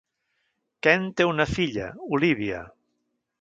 Ken té una filla, Olivia.